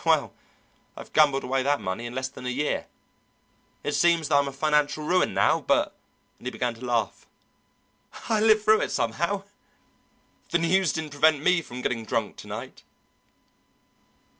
Well, I've gambled away that money in less than a year. It seems that I'm a financial ruin now, but" and he began to laugh "I live through it somehow. The news didn't prevent me from getting drunk to night."